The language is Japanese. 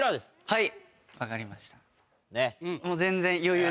はい。